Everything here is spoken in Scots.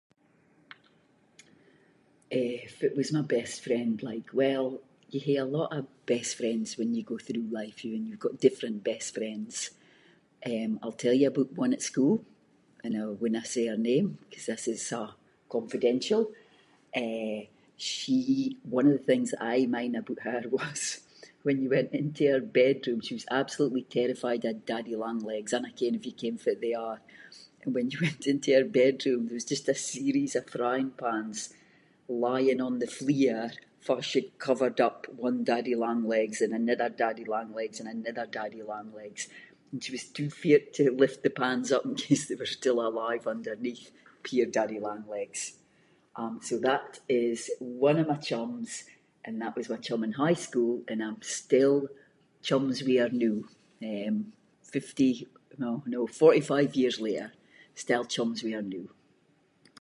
Eh fitt was my best friend like, well, you hae a lot of best friends when you go through life [inc] and you’ve got different best friends, eh, I’ll tell you aboot one at school and I winna say her name ‘cause this is a’ confidential, eh, she- one of the things that I mind aboot her was, when you went into her bedroom, she was absolutely terrified of daddy-longlegs, I dinna ken if you ken fitt they are, when you went into her bedroom, there was just a series of frying pans lying on the floor, farr she'd covered up one daddy long-legs and another daddy longlegs and another daddy longlegs, and she was too feart to lift the pans up in case they were still alive underneath, poor daddy longlegs, um, so that is one of my chums, and that was my chum in high-school, and I’m still chums with her noo, eh, fifty- no- no, forty-five years later, still chums with her noo.